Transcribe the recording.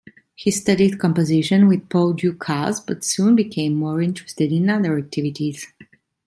He studied composition with Paul Dukas, but soon became more interested in other activities.